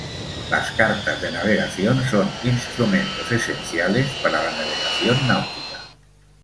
Las cartas de navegación son instrumentos esenciales para la navegación náutica.